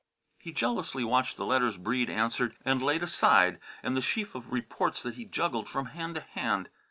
He jealously watched the letters Breede answered and laid aside, and the sheaf of reports that he juggled from hand to hand.